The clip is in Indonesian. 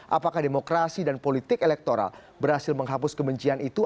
apakah demokrasi dan politik elektoral berhasil menghapus kebencian itu